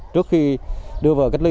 trước khi đưa vào cách ly